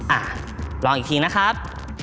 อ่ะลองอีกทีนะครับ